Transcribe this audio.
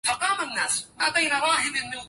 ومن البلية أن تحب